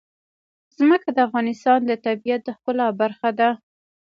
ځمکه د افغانستان د طبیعت د ښکلا برخه ده.